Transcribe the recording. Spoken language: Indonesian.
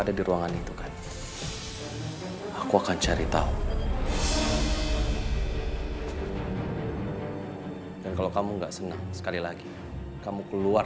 ada di ruangan itu kan aku akan cari tahu dan kalau kamu enggak senang sekali lagi kamu keluar